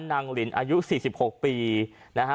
นางหลินอายุสิบหกปีนะฮะ